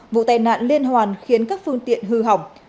vụ tai nạn liên hoàn khiến các phương tiện hư hỏng